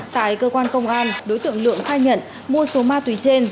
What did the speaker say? tại cơ quan công an đối tượng lượng khai nhận mua số ma túy trên